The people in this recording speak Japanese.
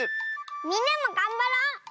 みんなもがんばろう！